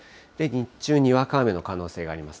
日中、にわか雨の可能性があります。